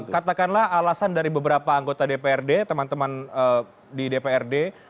katakanlah alasan dari beberapa anggota dprd teman teman di dprd